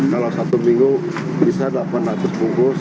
kalau satu minggu bisa delapan ratus bungkus